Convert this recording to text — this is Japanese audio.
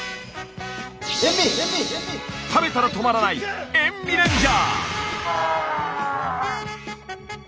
食べたら止まらない塩味レンジャー！